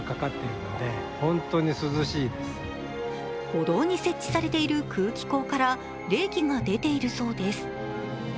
歩道に設置されている空気孔から冷気が出ているそうです。